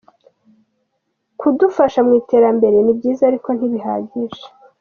Kudufasha mu iterambere ni byiza ariko ntibihagije”.